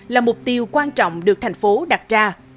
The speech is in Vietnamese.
là mục tiêu quan trọng được thành phố đặt ra